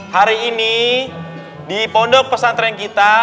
hari ini di pondok pesantren kita